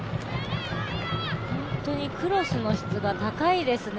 クロスの質が高いですね。